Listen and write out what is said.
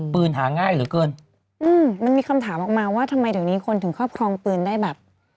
ปืนหาง่ายเหลือเกินอืมมันมีคำถามออกมาว่าทำไมเดี๋ยวนี้คนถึงครอบครองปืนได้แบบ